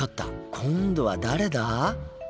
今度は誰だ？